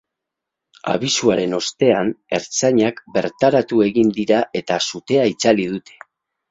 Abisuaren ostean, ertzainak bertaratu egin dira eta sutea itzali dute.